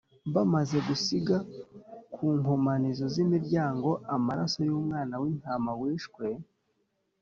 . Bamaze gusiga ku nkomanizo z’imiryango amaraso y’umwana w’intama wishwe